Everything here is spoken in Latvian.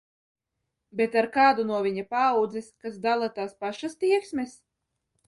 Bet ar kādu no viņa paaudzes, kas dala tās pašas tieksmes?